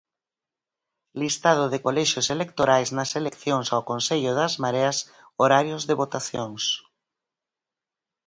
Listado de colexios electorais nas eleccións ao Consello das Mareas Horarios de votacións.